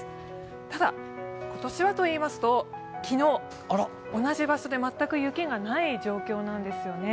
ただ今年はというと、昨日、同じ場所で全く雪がない状況なんですよね。